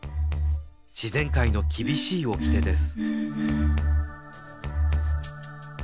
自然界の厳しいおきてです。